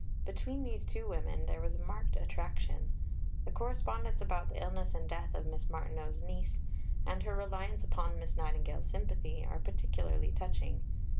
Between these two women there was a marked attraction. The correspondence about the illness and death of Miss Martineau's niece, and her reliance upon Miss Nightingale's sympathy, are particularly touching.